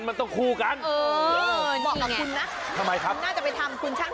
หวานมันมันต้องคู่กัน